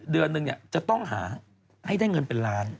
เดือนนึงจะต้องหาให้ได้เงินเป็นล้าน